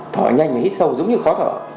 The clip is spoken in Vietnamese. thở nhanh mà hít sâu giống như khó thở